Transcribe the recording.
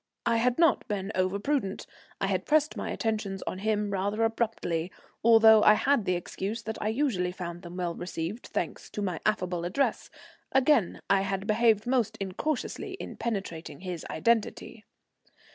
I had not been overprudent; I had pressed my attentions on him rather abruptly, although I had the excuse that I usually found them well received, thanks to my affable address; again I had behaved most incautiously in penetrating his identity.